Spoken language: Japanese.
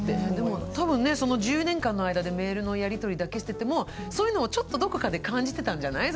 多分ねその１０年間の間でメールのやりとりだけしててもそういうのをちょっとどこかで感じてたんじゃない？